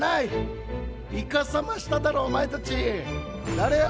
誰や？